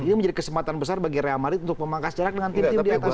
ini menjadi kesempatan besar bagi real madrid untuk memangkas jarak dengan tim tim di atas